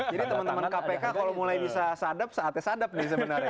jadi teman teman kpk kalau mulai bisa sadap saatnya sadap nih sebenarnya